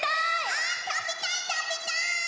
あたべたいたべたい！